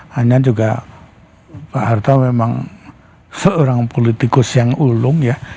hanya juga pak harto memang seorang politikus yang ulung ya